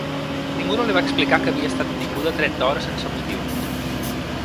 Ningú no li va explicar que havia estat detinguda trenta hores sense motiu.